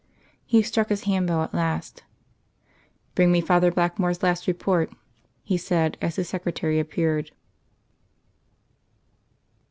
He struck his hand bell at last. "Bring me Father Blackmore's Last report," he said, as his secretary appeared.